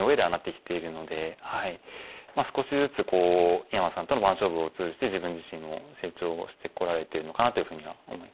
少しずつ井山さんとの番勝負を通じて自分自身も成長してこられてるのかなというふうには思います。